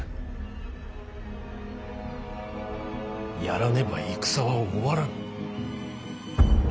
やらねば戦は終わらぬ。